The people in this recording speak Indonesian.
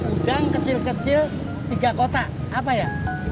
udang kecil kecil tiga kotak apa ya